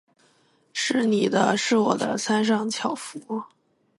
是你的；是我的，三商巧福。